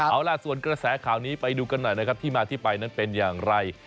เอาล่ะส่วนกระแสข่าวนี้ไปดูกันหน่อยนะครับที่มาที่ไปนั้นเป็นอย่างไร